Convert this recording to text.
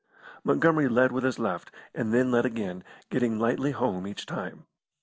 Montgomery led with his left, and then led again, getting lightly home each time.